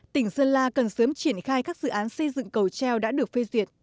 tỉnh sơn la cần sớm triển khai các dự án xây dựng cầu treo đã được phê duyệt